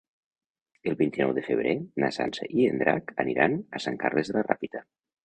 El vint-i-nou de febrer na Sança i en Drac aniran a Sant Carles de la Ràpita.